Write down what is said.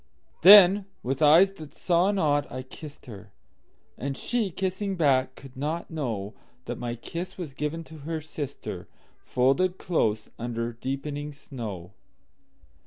Then, with eyes that saw not, I kissed her; And she, kissing back, could not knowThat my kiss was given to her sister, Folded close under deepening snow.